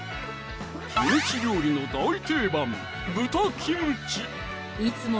キムチ料理の大定番いつも